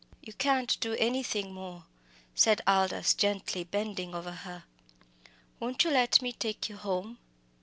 "You can't do anything more," said Aldous, gently, bending over her. "Won't you let me take you home?